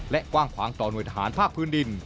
และกว้างขวางต่อหน่วยทหารภาคพื้นดิน